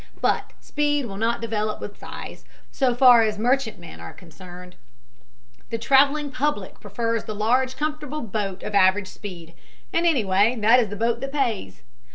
But speed will not develop with size, so far as merchantmen are concerned. "The traveling public prefers the large comfortable boat of average speed, and anyway that is the boat that pays.